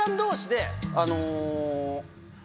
あの。